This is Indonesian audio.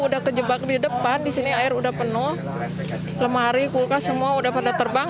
di depan disini air sudah penuh lemari kulkas semua sudah pada terbang